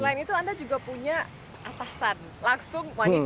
selain itu anda juga punya atasan langsung wanita